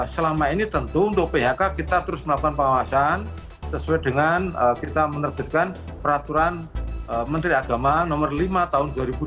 selama ini tentu untuk phk kita terus melakukan pengawasan sesuai dengan kita menerbitkan peraturan menteri agama nomor lima tahun dua ribu dua puluh